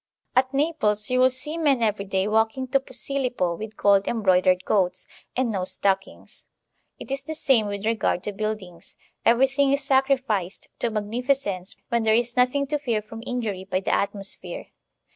At Naples you will see men every day walking to Posilippo with gold embroidered coats, and no stock ings. It is the same with regard to buildings; everything is sacrificed to magnificence when there is nothing to fear from injury by the atmosphere.